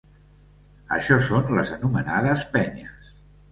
Això són les anomenades penyes.